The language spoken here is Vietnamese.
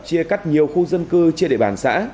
chia cắt nhiều khu dân cư chia để bản xã